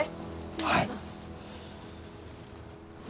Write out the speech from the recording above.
はい。